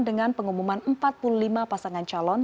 dengan pengumuman empat puluh lima pasangan calon